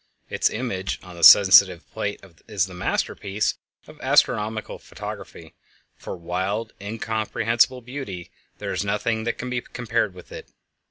Its image on the sensitive plate is the masterpiece of astronomical photography; for wild, incomprehensible beauty there is nothing that can be compared with it.